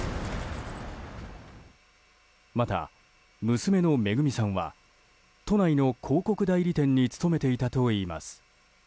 また娘の恵さんは都内の広告代理店に勤めていたといいます。